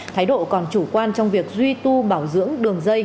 thái độ còn chủ quan trong việc duy tu bảo dưỡng đường dây